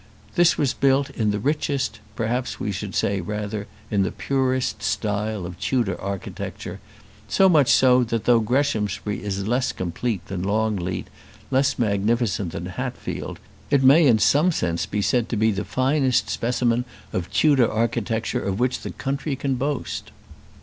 This was built in the richest, perhaps we should rather say in the purest, style of Tudor architecture; so much so that, though Greshamsbury is less complete than Longleat, less magnificent than Hatfield, it may in some sense be said to be the finest specimen of Tudor architecture of which the country can boast.